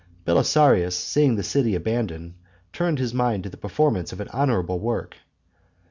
Belisarius, seeing the city abandoned, turned his mind to the performance of an honourable work.